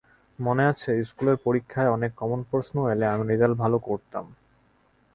মনে আছে, ইশকুলের পরীক্ষায় অনেক কমন প্রশ্ন এলে আমি রেজাল্ট ভালো করতাম।